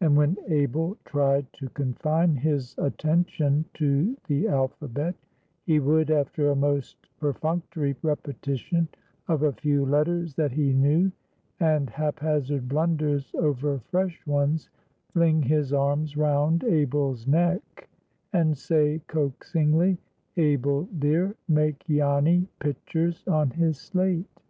And when Abel tried to confine his attention to the alphabet, he would, after a most perfunctory repetition of a few letters that he knew, and hap hazard blunders over fresh ones, fling his arms round Abel's neck and say coaxingly, "Abel dear, make Janny pitchers on his slate."